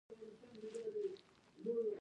ته ګوره اوس کسږي